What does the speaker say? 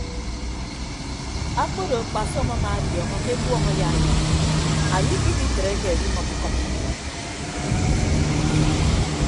Akpodo akpasọm amaadiọọñọ ke ekuọñ ayaanyọñ anye ikpikitreke edimʌm ñkʌp.